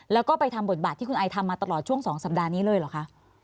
แล้วก็ไปทำบทบาทที่คุณไอทำมาตลอดช่วง๒สัปดาห์นี้เลยเหรอคะ